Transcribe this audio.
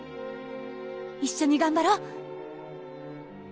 一緒に頑張ろう！